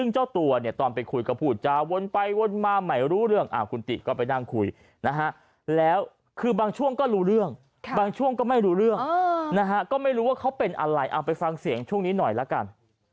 ช่วงก็ไม่รู้เรื่องนะฮะก็ไม่รู้ว่าเขาเป็นอะไรเอาไปฟังเสียงช่วงนี้หน่อยละกัน